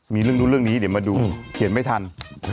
มีเรื่องนู้นเรื่องนี้เดี๋ยวมาดูเขียนไม่ทัน